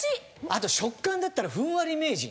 あと食感だったらふんわり名人。